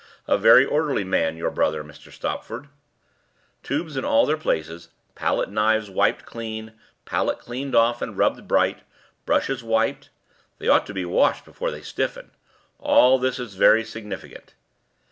a very orderly man, your brother. Mr. Stopford. Tubes all in their places, palette knives wiped clean, palette cleaned off and rubbed bright, brushes wiped they ought to be washed before they stiffen all this is very significant."